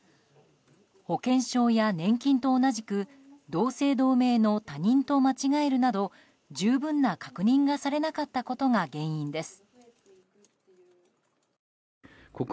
保険証や年金と同じく同姓同名の他人と間違えるなど十分な確認がされなかったことが原因です。